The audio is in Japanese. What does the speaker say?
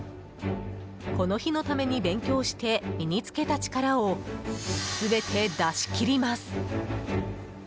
この日のために勉強して身につけた力を全て出し切ります。